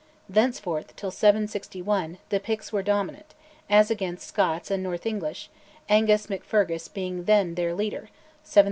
Thenceforth, till 761, the Picts were dominant, as against Scots and north English, Angus MacFergus being then their leader (731 761).